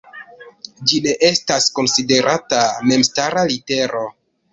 Ĝi ne estas konsiderata memstara litero.